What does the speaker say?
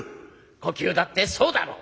呼吸だってそうだろう。